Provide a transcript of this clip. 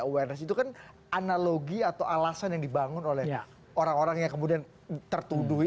awareness itu kan analogi atau alasan yang dibangun oleh orang orang yang kemudian tertuduh